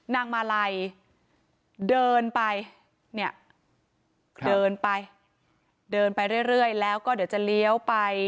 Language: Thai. นางมาลัยเดินไปเนี่ยเดินไปเดินไปเรื่อยแล้วก็เดี๋ยวจะเลี้ยวไป